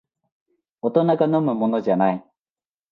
大人が飲むものじゃない